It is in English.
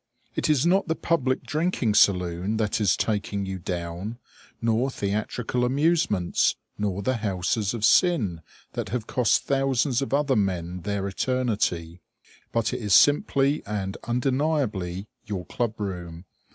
It is not the public drinking saloon that is taking you down, nor theatrical amusements, nor the houses of sin that have cost thousands of other men their eternity: but it is simply and undeniably your club room.